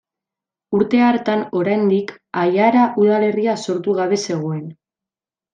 Urte hartan, oraindik Aiara udalerria sortu gabe zegoen.